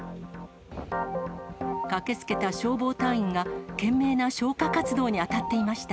駆けつけた消防隊員が懸命な消火活動に当たっていました。